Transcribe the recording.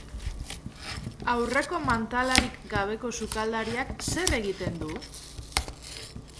Aurreko mantalarik gabeko sukaldariak zer egiten du?